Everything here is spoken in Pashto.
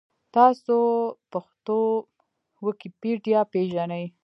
تاسو پښتو ویکیپېډیا پېژنۍ؟